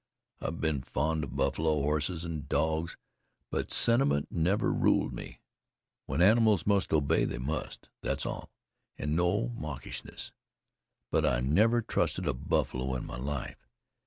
I've been fond of buffalo, horses and dogs, but sentiment never ruled me. When animals must obey, they must that's all, and no mawkishness! But I never trusted a buffalo in my life.